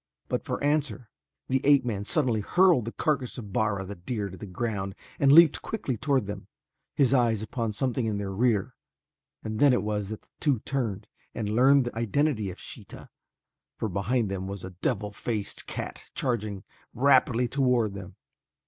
but for answer the ape man suddenly hurled the carcass of Bara, the deer, to the ground and leaped quickly toward them, his eyes upon something in their rear; and then it was that the two turned and learned the identity of Sheeta, for behind them was a devil faced cat charging rapidly toward them.